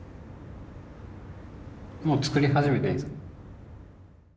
もう作り始めていいんですか？